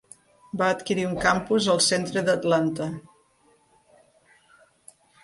Va adquirir un campus al centre d'Atlanta.